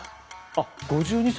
あっ５２歳。